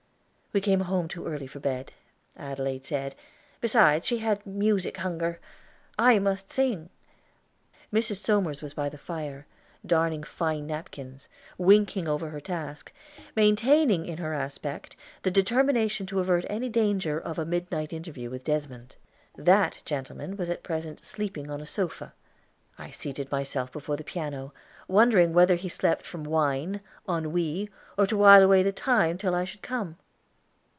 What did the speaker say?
We came home too early for bed, Adelaide said; beside, she had music hunger. I must sing. Mrs. Somers was by the fire, darning fine napkins, winking over her task, maintaining in her aspect the determination to avert any danger of a midnight interview with Desmond. That gentleman was at present sleeping on a sofa. I seated myself before the piano, wondering whether he slept from wine, ennui, or to while away the time till I should come.